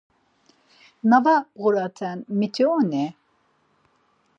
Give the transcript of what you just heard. Na va bğuraten miti oni?